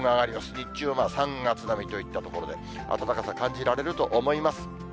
日中は３月並みといったところで、暖かさ感じられると思います。